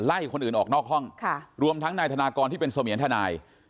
คนอื่นออกนอกห้องรวมทั้งนายธนากรที่เป็นเสมียนทนาย